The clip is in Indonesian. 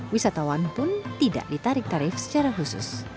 wisatawan pun tidak ditarik tarif secara khusus